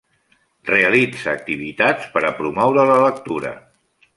Realitza activitats per a promoure la lectura.